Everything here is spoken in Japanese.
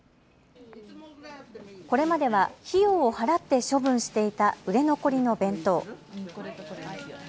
これまでは費用を払って処分していた売れ残りの弁当。